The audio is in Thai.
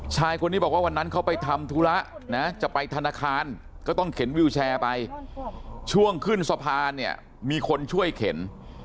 ชายคนนี้บอกว่าวันนั้นเขาไปทำธุระนะจะไปธนาคารก็ต้องเข็นวิวแชร์ไปช่วงขึ้นสะพานเนี่ยมีคนช่วยเข็น